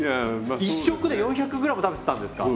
１食で４００ｇ食べてたんですか？